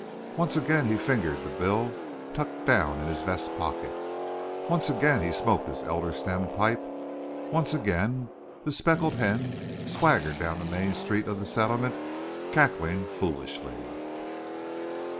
Once again he fingered the bill tucked down in his vest pocket. Once again he smoked his elder stem pipe. Once again the speckled hen swaggered down the main street of the "settlement," cackling foolishly.